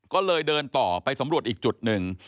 ก็เลยเดินต่อไปสำรวจอีกจุดหนึ่ง